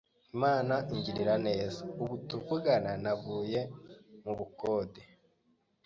Imana ingirira neza, ubu tuvugana navuye mu bukode,